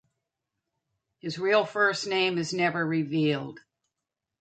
His real first name is never revealed.